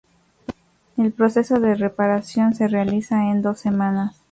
El proceso de reparación se realiza en dos semanas.